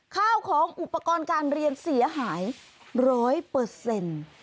ข้าวของอุปกรณ์การเรียนเสียหายร้อยเปอร์เซ็นต์